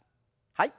はい。